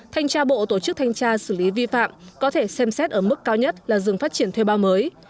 thanh tra bộ tổ chức thanh tra xử lý vi phạm có thể xem xét ở mức cao nhất là dừng phát triển thuê bao mới